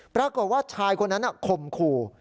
ปรากฏว่าชายคนนั้นข่มขู่